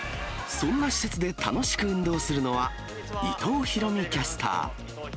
そんな施設で楽しく運動するのは、伊藤大海キャスター。